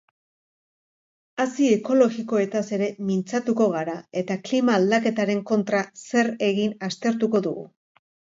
Hazi ekologikoetaz ere mintzatuko gara eta klima aldaketaren kontra zer egin aztertuko dugu.